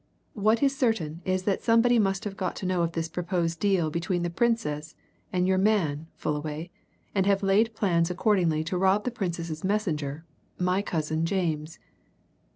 What is certain is that somebody must have got to know of this proposed deal between the Princess and your man, Fullaway, and have laid plans accordingly to rob the Princess's messenger my cousin James.